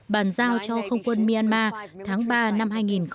bàn giao cho không quân myanmar tháng ba năm hai nghìn một mươi